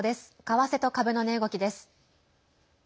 為替と株の値動きです。